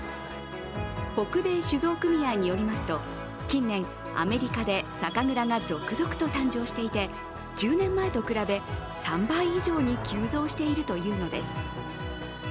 北米酒造組合によりますと、近年、アメリカで酒蔵が続々と誕生していて１０年前と比べ３倍以上に急増しているというのです。